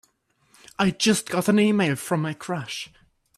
I just got an e-mail from my crush!